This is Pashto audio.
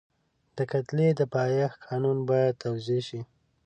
د کتلې د پایښت قانون باید توضیح شي.